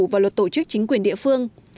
và luật tổ chức chính quyền địa phương